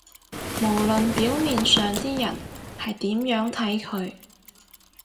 無論表面上啲人係點樣睇佢